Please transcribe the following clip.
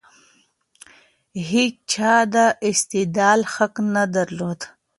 هيچا د استدلال حق نه درلود.